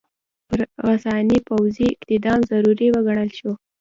پر غساني پوځي اقدام ضروري وګڼل شو.